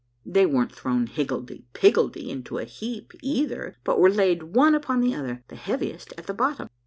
They weren't thrown higgledy piggledy into a heap either, but were laid one upon the other, the heaviest at the bottom.